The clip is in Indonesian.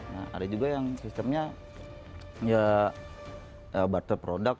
nah ada juga yang sistemnya ya barter produk